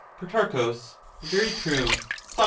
Pro, Very true. Soc.